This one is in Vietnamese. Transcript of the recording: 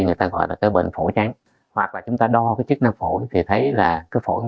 người ta gọi là cái bệnh phổi trắng hoặc là chúng ta đo cái chức năng phổi thì thấy là cái phổi